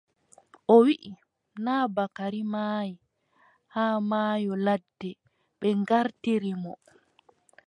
O wiʼi , naa Bakari maayi, haa maayo ladde. ɓe ŋgartiri mo.